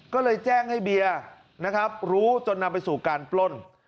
ก็เลยแจ้งให้เบียร์นะครับรู้จนนำไปสู่การปล้น